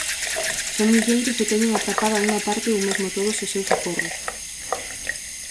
Son milleiros e teñen "atrapada" unha parte ou mesmo todos os seus aforros.